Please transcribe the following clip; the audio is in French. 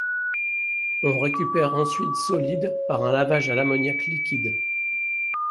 On récupère ensuite solide par un lavage à l'ammoniac liquide.